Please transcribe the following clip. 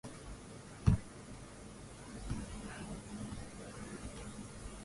Ongeza viazi lishe vilivyokatwa Ongeza chumvi kenye viazi lishe vyako